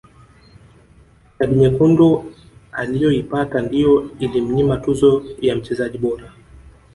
kadi nyekundu aliyoipata ndiyo ilimnyima tuzo ya mchezaji bora